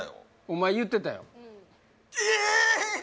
お前言うてたよえっ！